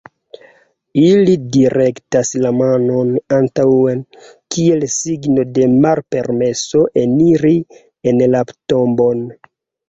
Ili direktas la manon antaŭen, kiel signo de malpermeso eniri en la tombon.